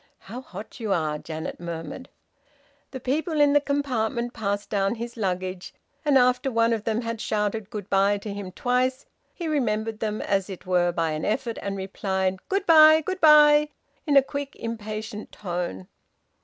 "How hot you are!" Janet murmured. The people in the compartment passed down his luggage, and after one of them had shouted good bye to him twice, he remembered them, as it were by an effort, and replied, "Good bye, good bye," in a quick, impatient tone.